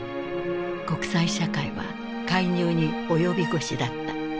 国際社会は介入に及び腰だった。